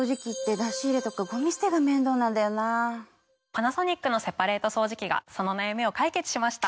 パナソニックのセパレート掃除機がその悩みを解決しました。